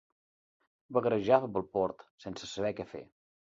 Vagarejava pel port, sense saber què fer.